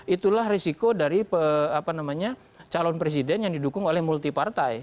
itulah risiko dari calon presiden yang didukung oleh multi partai